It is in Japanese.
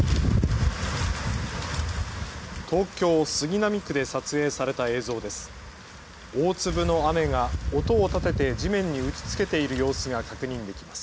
東京杉並区で撮影された映像です。